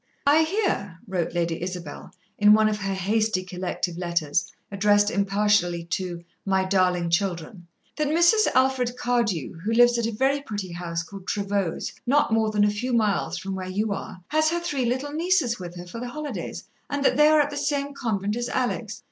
"I hear," wrote Lady Isabel, in one of her hasty, collective letters, addressed impartially to "My darling Children," "that Mrs. Alfred Cardew, who lives at a very pretty house called Trevose, not more than a few miles from where you are, has her three little nieces with her for the holidays, and that they are at the same convent as Alex.